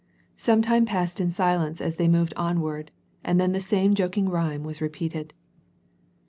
Some time passed in silence, as they moved onward,, and then the same joking rhyme was repeated.